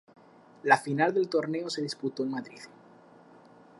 La final del Torneo se disputó en Madrid.